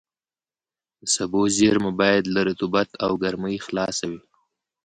د سبو زېرمه باید له رطوبت او ګرمۍ خلاصه وي.